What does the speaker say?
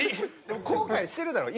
でも後悔してるだろ？